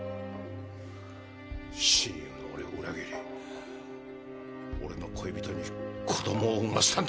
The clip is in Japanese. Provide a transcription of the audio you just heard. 親友の俺を裏切り俺の恋人に子供を産ませたんだ！